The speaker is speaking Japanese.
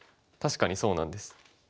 確かにそうなんです。